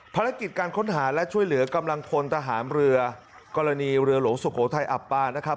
ภารกิจการค้นหาและช่วยเหลือกำลังพลทหารเรือกรณีเรือหลวงสุโขทัยอับปานะครับ